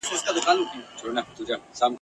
که د سهار ورک ماښام کور ته راسي هغه ورک نه دئ !.